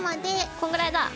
こんぐらいだ。